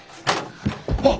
あっ！